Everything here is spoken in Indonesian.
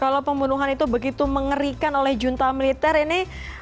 kalau pembunuhan itu begitu mengerikan oleh junta militer ini